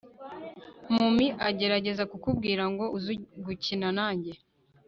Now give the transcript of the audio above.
mummy agerageza kukubwira ngo uze gukina nanjye